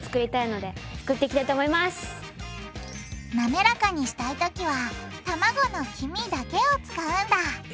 なめらかにしたいときはたまごの黄身だけを使うんだえ！